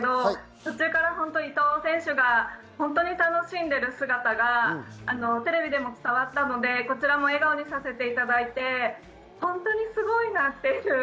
途中から伊藤選手が本当に楽しんでいる姿がテレビでも伝わったので、こちらも笑顔にさせていただいてすごいなって。